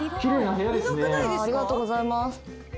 ありがとうございます。